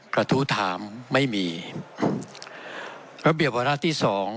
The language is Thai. กระทู้ถามไม่มีระเบียบวาระที่สอง